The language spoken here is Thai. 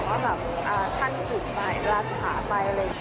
ว่าแบบท่านสืบไปราชาไปอะไรอย่างนี้